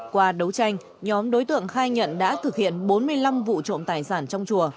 qua đấu tranh nhóm đối tượng khai nhận đã thực hiện bốn mươi năm vụ trộm tài sản trong chùa